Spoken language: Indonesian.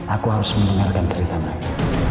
aku harus mendengarkan cerita mereka